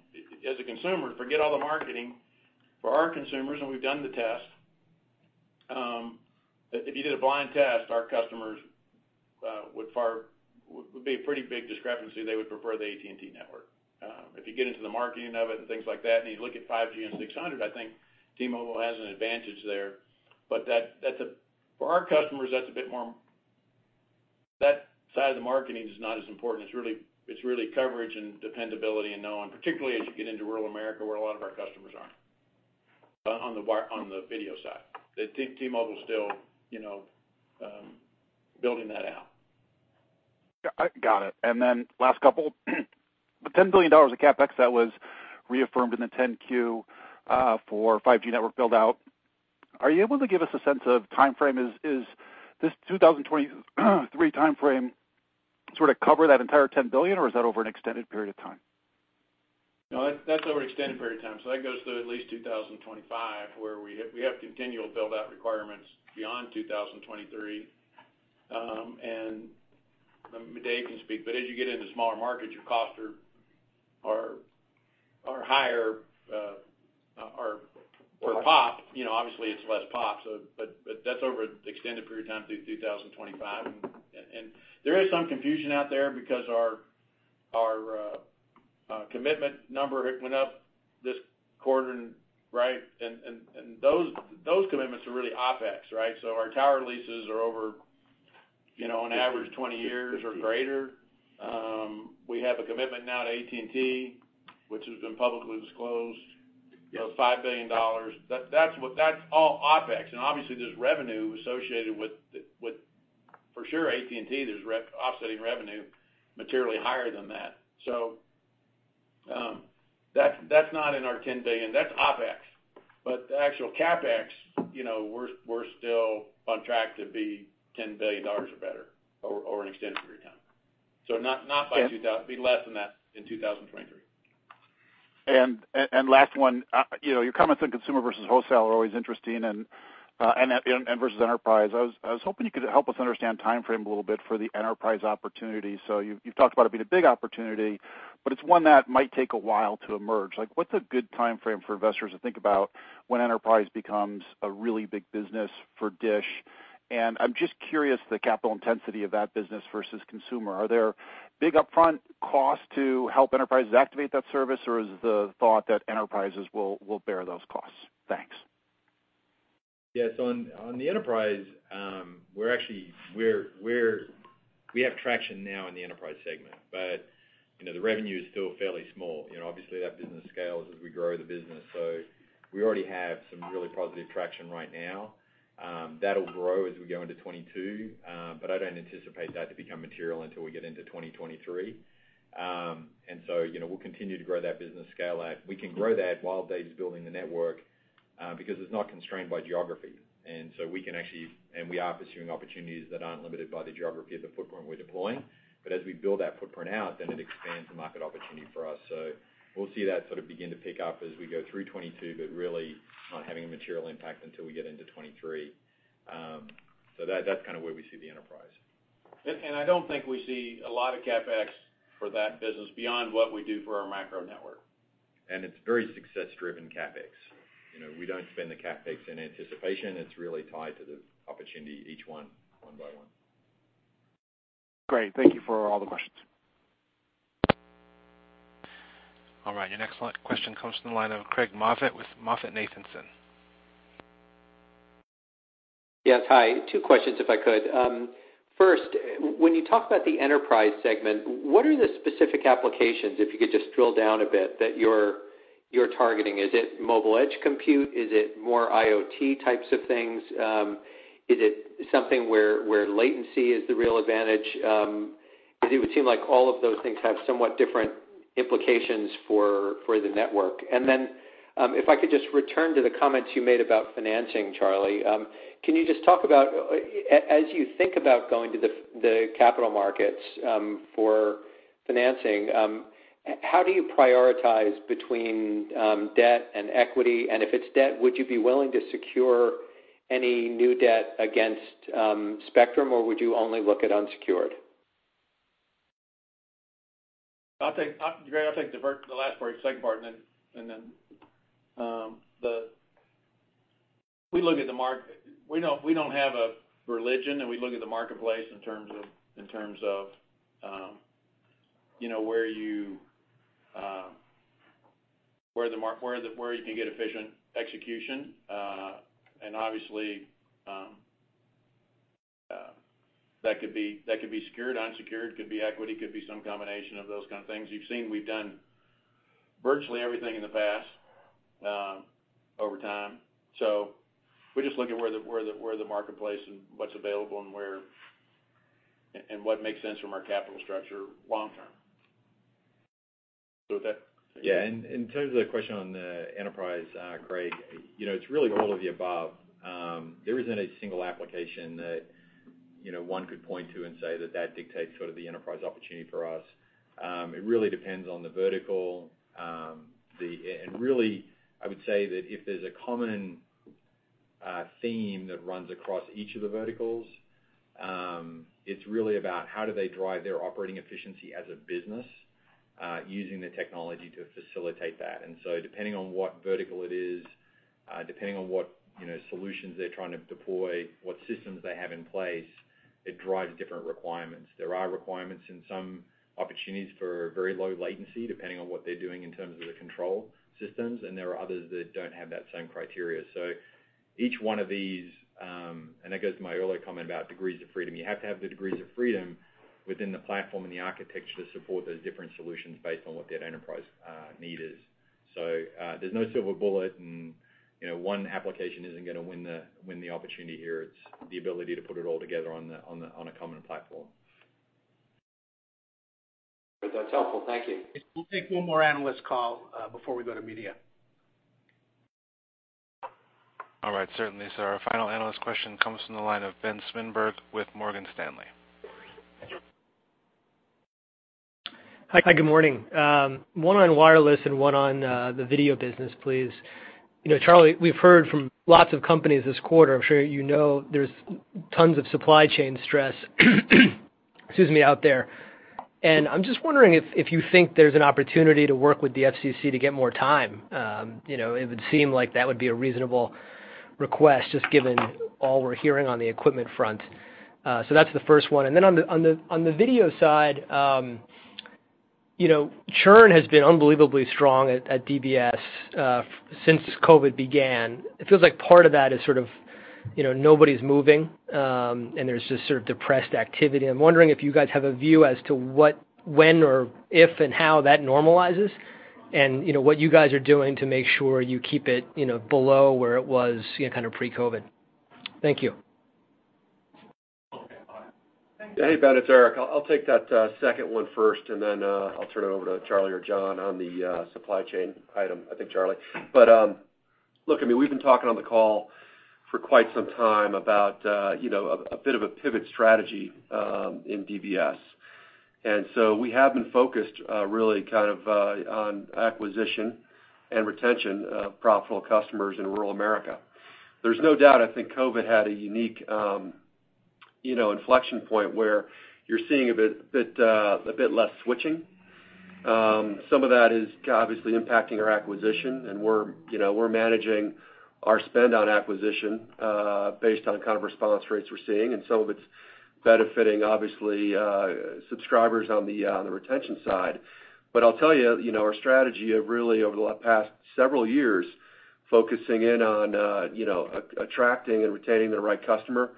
as a consumer, forget all the marketing for our consumers, and we've done the test. If you did a blind test, our customers would be a pretty big discrepancy, they would prefer the AT&T network. If you get into the marketing of it and things like that, and you look at 5G and 600 MHz, I think T-Mobile has an advantage there. That's for our customers, that's a bit more. That side of the marketing is not as important. It's really coverage and dependability and knowing, particularly as you get into rural America, where a lot of our customers are. On the video side. The T-Mobile's still, you know, building that out. Yeah, got it. Last couple. The $10 billion of CapEx that was reaffirmed in the 10-Q for 5G network build-out, are you able to give us a sense of timeframe? Is this 2023 timeframe sort of cover that entire $10 billion, or is that over an extended period of time? No, that's over an extended period of time. That goes to at least 2025, where we have continual build-out requirements beyond 2023. Dave can speak, but as you get into smaller markets, your costs are higher, or per POP, you know, obviously it's less POP. That's over an extended period of time through 2025. There is some confusion out there because our commitment number went up this quarter, right? Those commitments are really OpEx, right? Our tower leases are over, you know, on average 20 years or greater. We have a commitment now to AT&T, which has been publicly disclosed, you know, $5 billion. That's all OpEx. Obviously, there's revenue associated with, for sure, AT&T, there's offsetting revenue materially higher than that. That's not in our $10 billion. That's OpEx. The actual CapEx, you know, we're still on track to be $10 billion or better over an extended period of time. Not by 2023. It'll be less than that in 2023. Last one. You know, your comments on consumer versus wholesale are always interesting and versus enterprise. I was hoping you could help us understand timeframe a little bit for the enterprise opportunity. So you've talked about it being a big opportunity, but it's one that might take a while to emerge. Like, what's a good timeframe for investors to think about when enterprise becomes a really big business for DISH? I'm just curious, the capital intensity of that business versus consumer. Are there big upfront costs to help enterprises activate that service, or is the thought that enterprises will bear those costs? Thanks. Yes. On the enterprise, we have traction now in the enterprise segment. You know, the revenue is still fairly small. You know, obviously, that business scales as we grow the business. We already have some really positive traction right now, that'll grow as we go into 2022. I don't anticipate that to become material until we get into 2023. You know, we'll continue to grow that business scale out. We can grow that while Dave's building the network, because it's not constrained by geography. We can actually, and we are pursuing opportunities that aren't limited by the geography of the footprint we're deploying. As we build that footprint out, then it expands the market opportunity for us. We'll see that sort of begin to pick up as we go through 2022, but really not having a material impact until we get into 2023. That's kind of where we see the enterprise. I don't think we see a lot of CapEx for that business beyond what we do for our micro network. It's very success-driven CapEx. You know, we don't spend the CapEx in anticipation. It's really tied to the opportunity, each one by one. Great. Thank you for all the questions. All right, your next line, question comes from the line of Craig Moffett with MoffettNathanson. Yes, hi. Two questions if I could. First, when you talk about the enterprise segment, what are the specific applications, if you could just drill down a bit, that you're targeting? Is it mobile edge compute? Is it more IoT types of things? Is it something where latency is the real advantage? Because it would seem like all of those things have somewhat different implications for the network. Then, if I could just return to the comments you made about financing, Charlie. Can you just talk about, as you think about going to the capital markets, for financing, how do you prioritize between debt and equity? And if it's debt, would you be willing to secure any new debt against spectrum, or would you only look at unsecured? Craig, I'll take the last part, second part. We don't have a religion, and we look at the marketplace in terms of, you know, where you can get efficient execution. Obviously, that could be secured, unsecured, could be equity, could be some combination of those kind of things. You've seen we've done virtually everything in the past, over time. We just look at where the marketplace and what's available and what makes sense from our capital structure long term. Good with that? Yeah. In terms of the question on the enterprise, Craig, you know, it's really all of the above. There isn't any single application that, you know, one could point to and say that that dictates sort of the enterprise opportunity for us. It really depends on the vertical. And really, I would say that if there's a common theme that runs across each of the verticals, it's really about how do they drive their operating efficiency as a business, using the technology to facilitate that. Depending on what vertical it is, depending on what, you know, solutions they're trying to deploy, what systems they have in place, it drives different requirements. There are requirements in some opportunities for very low latency, depending on what they're doing in terms of the control systems, and there are others that don't have that same criteria. Each one of these and that goes to my earlier comment about degrees of freedom. You have to have the degrees of freedom within the platform and the architecture to support those different solutions based on what that enterprise need is. There's no silver bullet and, you know, one application isn't gonna win the opportunity here. It's the ability to put it all together on a common platform. That's helpful. Thank you. We'll take one more analyst call before we go to media. All right, certainly, sir. Our final analyst question comes from the line of Ben Swinburne with Morgan Stanley. Hi, good morning. One on wireless and one on the video business, please. You know, Charlie, we've heard from lots of companies this quarter. I'm sure you know there's tons of supply chain stress, excuse me, out there. I'm just wondering if you think there's an opportunity to work with the FCC to get more time. You know, it would seem like that would be a reasonable request, just given all we're hearing on the equipment front. So that's the first one. Then on the video side, you know, churn has been unbelievably strong at DBS since COVID began. It feels like part of that is sort of you know, nobody's moving, and there's just sort of depressed activity. I'm wondering if you guys have a view as to what, when or if and how that normalizes and, you know, what you guys are doing to make sure you keep it, you know, below where it was, you know, kind of pre-COVID. Thank you. Okay, fine. Hey, Ben, it's Erik. I'll take that second one first, and then I'll turn it over to Charlie or John on the supply chain item. I think, Charlie. Look, I mean, we've been talking on the call for quite some time about you know, a bit of a pivot strategy in DBS. We have been focused really kind of on acquisition and retention of profitable customers in rural America. There's no doubt, I think COVID had a unique you know, inflection point where you're seeing a bit less switching. Some of that is obviously impacting our acquisition, and we're you know managing our spend on acquisition based on kind of response rates we're seeing. Some of it's benefiting, obviously, subscribers on the retention side. I'll tell you know, our strategy of really over the past several years focusing in on, you know, attracting and retaining the right customer, is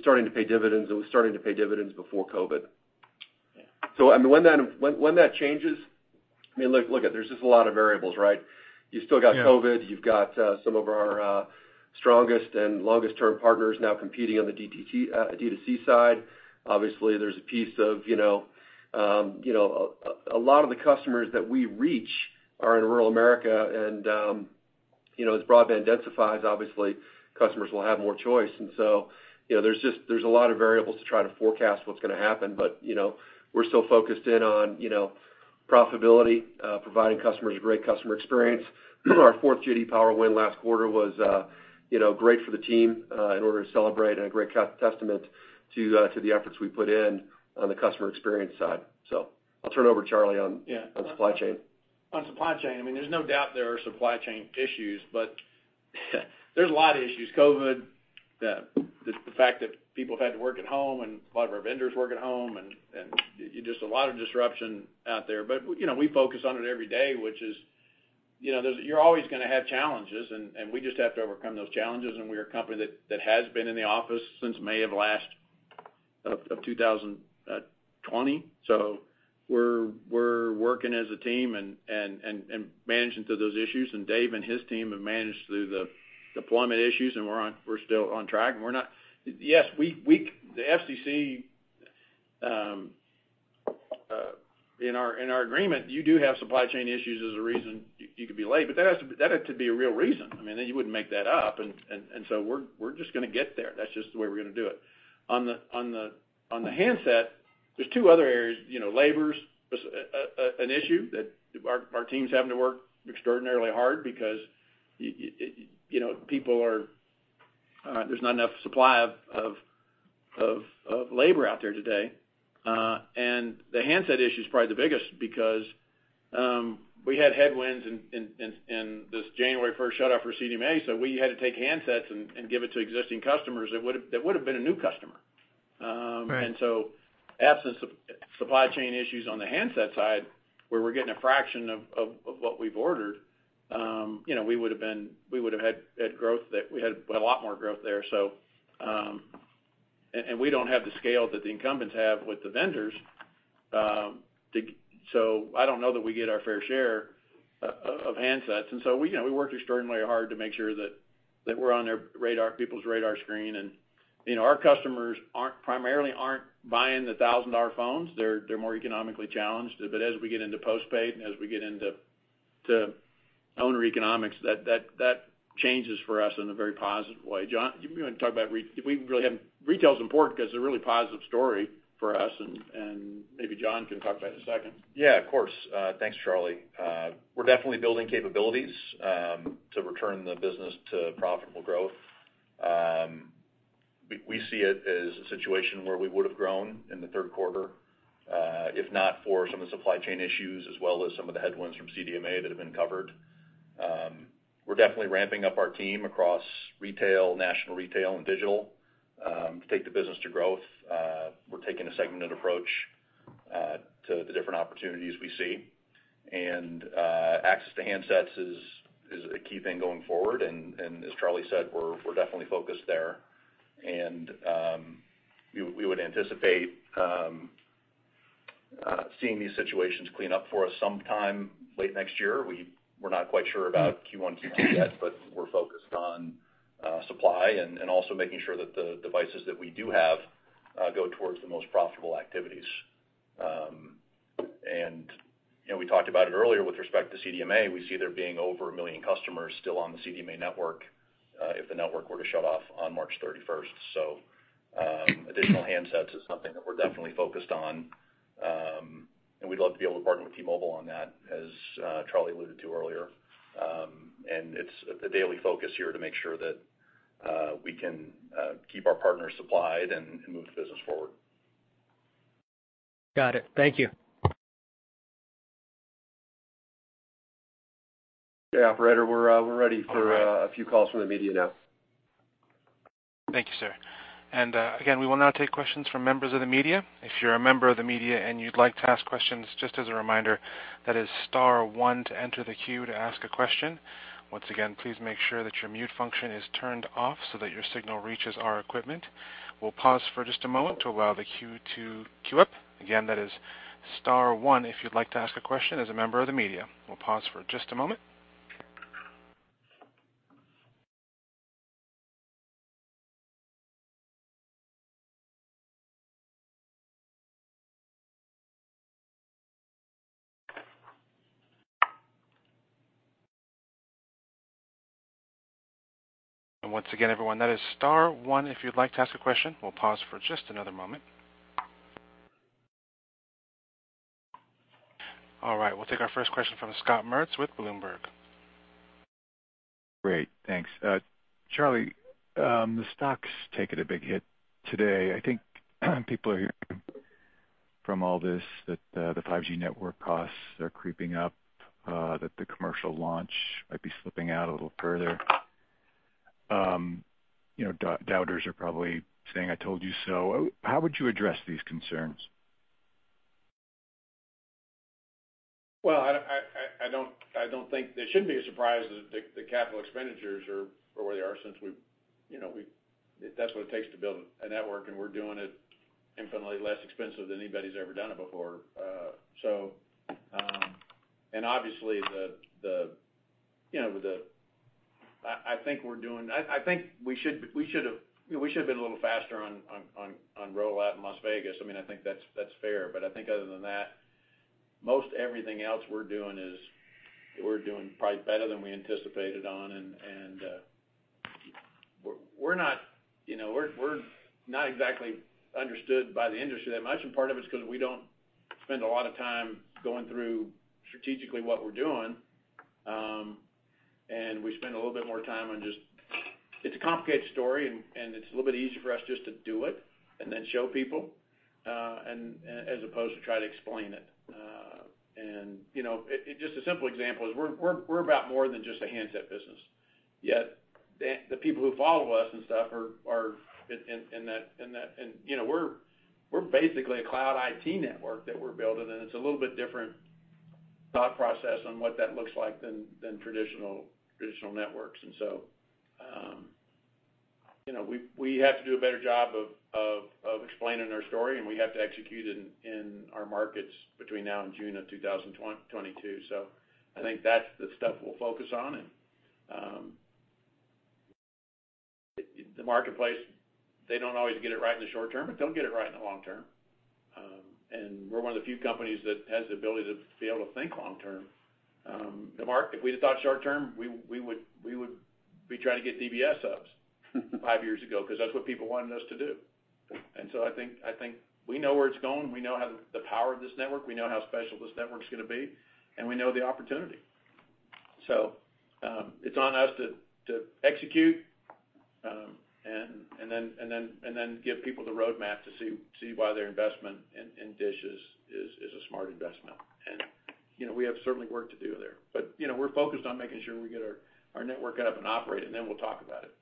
starting to pay dividends. It was starting to pay dividends before COVID. Yeah. I mean, when that changes. I mean, look, there's just a lot of variables, right? You've still got COVID. Yeah. You've got some of our strongest and longest term partners now competing on the DTC, D2C side. Obviously, there's a piece of, you know. A lot of the customers that we reach are in rural America and, you know, as broadband densifies, obviously customers will have more choice. You know, there's a lot of variables to try to forecast what's gonna happen. You know, we're still focused in on, you know, profitability, providing customers a great customer experience. Our fourth J.D. Power win last quarter was, you know, great for the team, in order to celebrate, and a great testament to the efforts we put in on the customer experience side. I'll turn it over to Charlie on- Yeah On supply chain. On supply chain, I mean, there's no doubt there are supply chain issues, but there's a lot of issues. COVID, just the fact that people have had to work at home and a lot of our vendors work at home and just a lot of disruption out there. You know, we focus on it every day. You know, you're always gonna have challenges, and we just have to overcome those challenges. We're a company that has been in the office since May of 2020. We're working as a team and managing through those issues. Dave and his team have managed through the deployment issues, and we're still on track and we're not. Yes, the FCC in our agreement, you do have supply chain issues as a reason you could be late, but that had to be a real reason. I mean, you wouldn't make that up. So we're just gonna get there. That's just the way we're gonna do it. On the handset, there's two other areas. You know, labor's an issue that our teams having to work extraordinarily hard because you know, there's not enough supply of labor out there today. The handset issue is probably the biggest because we had headwinds in this January 1st shut off for CDMA, so we had to take handsets and give it to existing customers that would've been a new customer. Right Absence of supply chain issues on the handset side, where we're getting a fraction of what we've ordered, you know, we would have had a lot more growth there. We don't have the scale that the incumbents have with the vendors, so I don't know that we get our fair share of handsets. We work extraordinarily hard to make sure that we're on their radar, people's radar screen. Our customers primarily aren't buying the $1,000 phones. They're more economically challenged. But as we get into postpaid and as we get into our own economics, that changes for us in a very positive way. John, do you want to talk about if we really haven't. Retail is important 'cause a really positive story for us and maybe John can talk about in a second. Yeah, of course. Thanks, Charlie. We're definitely building capabilities to return the business to profitable growth. We see it as a situation where we would have grown in the third quarter if not for some of the supply chain issues as well as some of the headwinds from CDMA that have been covered. We're definitely ramping up our team across retail, national retail and digital to take the business to growth. We're taking a segmented approach. To the different opportunities we see. Access to handsets is a key thing going forward. As Charlie said, we're definitely focused there. We would anticipate seeing these situations clean up for us sometime late next year. We're not quite sure about Q1, Q2 yet, but we're focused on supply and also making sure that the devices that we do have go towards the most profitable activities. You know, we talked about it earlier with respect to CDMA. We see there being over a million customers still on the CDMA network if the network were to shut off on March 31st. Additional handsets is something that we're definitely focused on. We'd love to be able to partner with T-Mobile on that, as Charlie alluded to earlier. It's a daily focus here to make sure that we can keep our partners supplied and move the business forward. Got it. Thank you. Yeah. Operator, we're ready for a few calls from the media now. Thank you, sir. Again, we will now take questions from members of the media. If you're a member of the media and you'd like to ask questions, just as a reminder, that is star one to enter the queue to ask a question. Once again, please make sure that your mute function is turned off so that your signal reaches our equipment. We'll pause for just a moment to allow the queue to queue up. Again, that is star one if you'd like to ask a question as a member of the media. We'll pause for just a moment. Once again, everyone, that is star one if you'd like to ask a question. We'll pause for just another moment. All right, we'll take our first question from Scott Moritz with Bloomberg. Great, thanks. Charlie, the stock's taken a big hit today. I think people are hearing from all this that, the 5G network costs are creeping up, that the commercial launch might be slipping out a little further. You know, doubters are probably saying, "I told you so." How would you address these concerns? Well, I don't think it should be a surprise that the capital expenditures are where they are, since we've, you know, that's what it takes to build a network, and we're doing it infinitely less expensive than anybody's ever done it before. I think we should have, you know, been a little faster on rollout in Las Vegas. I mean, I think that's fair. I think other than that, most everything else we're doing is probably better than we anticipated on. We're not, you know, exactly understood by the industry that much. Part of it's 'cause we don't spend a lot of time going through strategically what we're doing, and we spend a little bit more time. It's a complicated story, and it's a little bit easier for us just to do it and then show people, as opposed to try to explain it. You know, it's just a simple example is we're about more than just a handset business, yet the people who follow us and stuff are in that. You know, we're basically a cloud IT network that we're building, and it's a little bit different thought process on what that looks like than traditional networks. You know, we have to do a better job of explaining our story, and we have to execute in our markets between now and June of 2022. I think that's the stuff we'll focus on. The marketplace, they don't always get it right in the short term, but they'll get it right in the long term. We're one of the few companies that has the ability to be able to think long term. If we just thought short term, we would be trying to get DBS subs five years ago, 'cause that's what people wanted us to do. I think we know where it's going. We know the power of this network, we know how special this network's gonna be, and we know the opportunity. It's on us to execute and then give people the roadmap to see why their investment in DISH is a smart investment. You know, we have certainly work to do there, but you know, we're focused on making sure we get our network up and operating, and then we'll talk about it.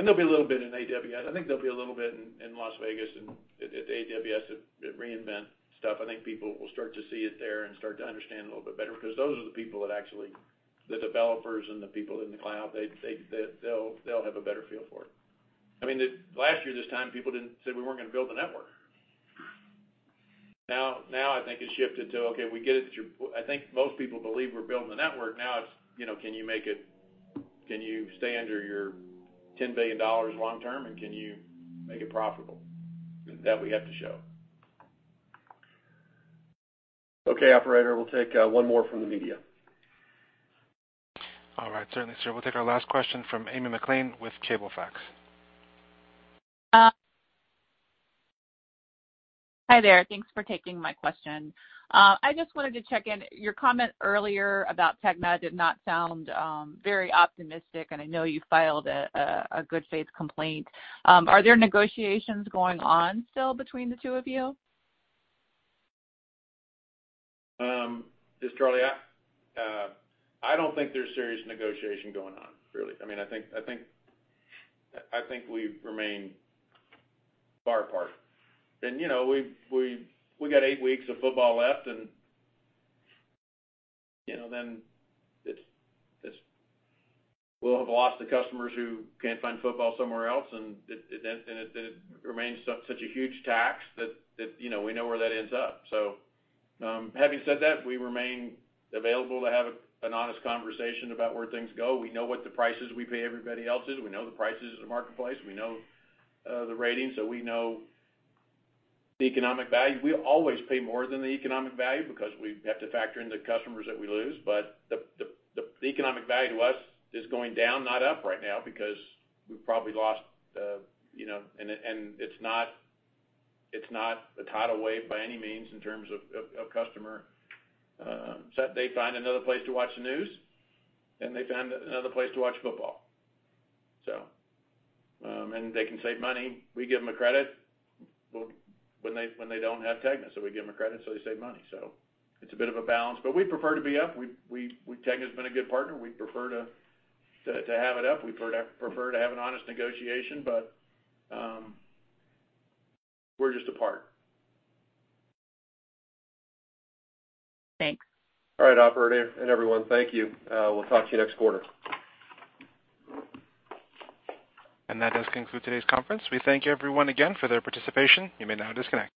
There'll be a little bit in AWS. I think there'll be a little bit in Las Vegas and at AWS, at re:Invent stuff. I think people will start to see it there and start to understand a little bit better, because those are the people that actually, the developers and the people in the cloud, they'll have a better feel for it. I mean, last year, this time, people said we weren't gonna build the network. Now I think it's shifted to, okay, we get it that you're. I think most people believe we're building the network. Now it's, you know, can you stay under your $10 billion long term, and can you make it profitable? That we have to show. Okay. Operator, we'll take one more from the media. All right. Certainly, sir. We'll take our last question from Amy Maclean with Cablefax. Hi there. Thanks for taking my question. I just wanted to check in. Your comment earlier about TEGNA did not sound very optimistic, and I know you filed a good faith complaint. Are there negotiations going on still between the two of you? It's Charlie. I don't think there's serious negotiation going on, really. I mean, I think we remain far apart. You know, we've got eight weeks of football left and, you know, then it's. We'll have lost the customers who can't find football somewhere else, and it remains such a huge tax that, you know, we know where that ends up. Having said that, we remain available to have an honest conversation about where things go. We know what the prices we pay everybody else is. We know the prices of the marketplace. We know the ratings, so we know the economic value. We always pay more than the economic value because we have to factor in the customers that we lose. The economic value to us is going down, not up right now, because we've probably lost you know. It's not a tidal wave by any means in terms of customer. They find another place to watch the news, and they find another place to watch football. They can save money. We give them a credit when they don't have TEGNA, so we give them a credit, so they save money. It's a bit of a balance, but we prefer to be up. TEGNA's been a good partner. We prefer to have it up. We prefer to have an honest negotiation, but we're just apart. Thanks. All right. Operator and everyone, thank you. We'll talk to you next quarter. That does conclude today's conference. We thank everyone again for their participation. You may now disconnect.